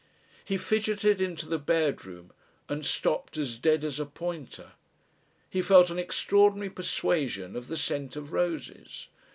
He fidgeted into the bedroom and stopped as dead as a pointer. He felt an extraordinary persuasion of the scent of roses.